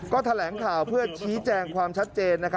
ก็แถลงข่าวเพื่อชี้แจงความชัดเจน